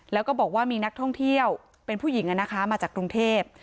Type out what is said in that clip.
แล้วก็บอกว่ามีนักท่องเที่ยวเป็นผู้หญิงมาจากกรุงเทพ